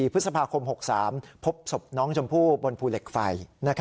พฤษภาคม๖๓พบศพน้องชมพู่บนภูเหล็กไฟ